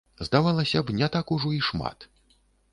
Здавалася б, не так ужо і шмат.